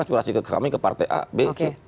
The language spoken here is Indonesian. aspirasi ke kami ke partai a b c